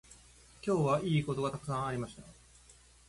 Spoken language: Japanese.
今日はいいことがたくさんありました。